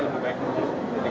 kalau nggak bisa lebih baik itu